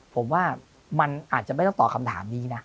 ผมว่ามันอาจจะไม่ต้องตอบคำถามนี้นะ